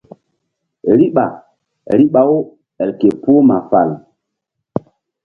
Riɓa riɓa-u el ke puh ma fal.